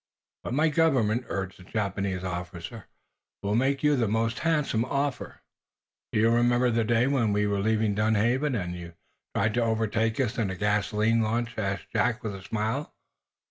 "But my government," urged the Japanese officer, "will make you most handsome offer." "Do you remember the day when we were leaving Dunhaven, and you tried to overtake us in a gasoline launch?" asked Jack, with a smile.